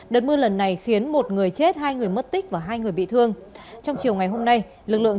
đợt mưa lần này khiến một người chết hai người mất tích và hai người bị thương